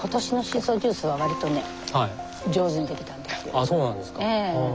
ああそうなんですか。